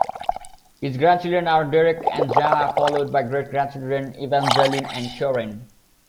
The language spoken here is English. His grandchildren are Derek and Janna followed by great grandchildren, Evangeline and Curran.